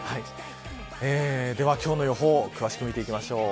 では今日の予報を詳しく見ていきましょう。